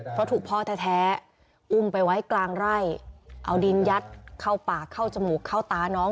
เพราะถูกพ่อแท้อุ้มไปไว้กลางไร่เอาดินยัดเข้าปากเข้าจมูกเข้าตาน้อง